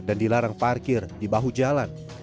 dan dilarang parkir di bahu jalan